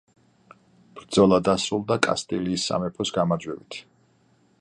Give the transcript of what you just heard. ბრძოლა დასრულდა კასტილიის სამეფოს გამარჯვებით.